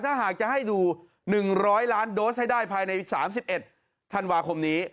ถ้าหากจะให้ดู๑๐๐ล้านโดสให้ได้ภายใน๓๑ธันวาคมนี้